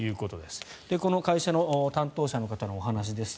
この会社の担当者の方のお話です。